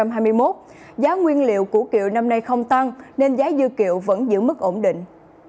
cơ sở chế biến dưa kiệu không tăng nên giá dưa kiệu vẫn giữ mức ổn định